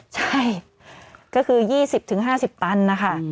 ใช่ก็คือ๒๐๕๐ตันนะคะ